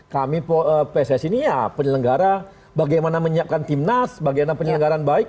kami pssi ini ya penyelenggara bagaimana menyiapkan timnas bagaimana penyelenggaran baik